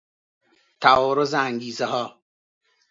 تعارض انگیزهها